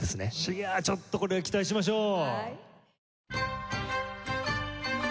いやちょっとこれ期待しましょう！